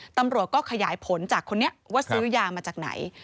ตำรวจก็ขยายผลจากคนนี้ว่าซื้อยามาจากไหน